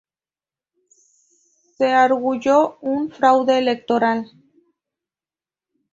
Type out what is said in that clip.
Se arguyó un fraude electoral.